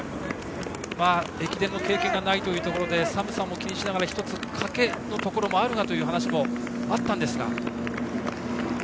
駅伝の経験がないというところで寒さも気にしながら１つ、賭けというところもあるなという話もあったんですが。